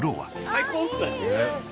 最高ですね。